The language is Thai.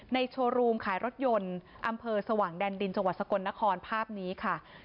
โชว์รูมขายรถยนต์อำเภอสว่างแดนดินจังหวัดสกลนครภาพนี้ค่ะ